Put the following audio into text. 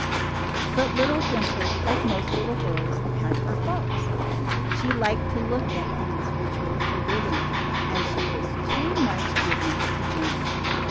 But little Dimple, like most little girls, had her faults. She liked to look at things which were for bidden, and she was too much given to jam.